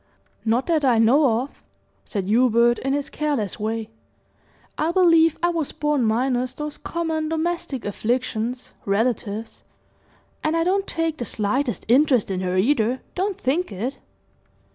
"Not that I know of," said Hubert, in his careless way. "I believe I was born minus those common domestic afflictions, relatives; and I don't take the slightest interest in her, either; don't think it!"